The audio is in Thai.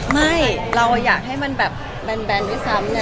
ไม่เราอยากให้มันแบนที่ซ้ำนะ